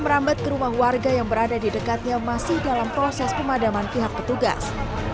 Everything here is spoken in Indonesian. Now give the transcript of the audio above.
merambat ke rumah warga yang berada di dekatnya masih dalam proses pemadaman pihak petugas